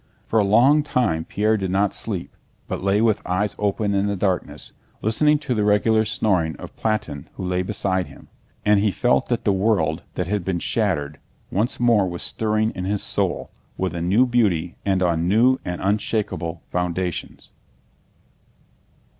For a long time Pierre did not sleep, but lay with eyes open in the darkness, listening to the regular snoring of Platón who lay beside him, and he felt that the world that had been shattered was once more stirring in his soul with a new beauty and on new and unshakable foundations.